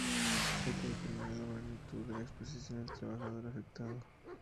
Hay que determinar la magnitud de la exposición del trabajador afectado.